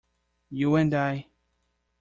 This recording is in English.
You and I.